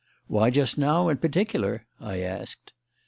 "Why just now, in particular?" I asked.